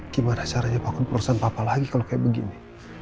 gimana caranya bangun perusahaan papa lagi kalau kayak begini